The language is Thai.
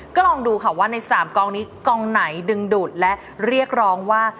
ก็ลองดูค่ะว่าใน๓กองนี้กองไหนดึงดูดและเรียกร้องว่า